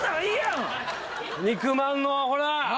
肉まんのほら！